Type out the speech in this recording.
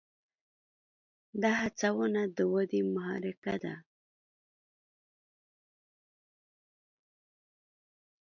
دا هڅونه د ودې محرکه ده.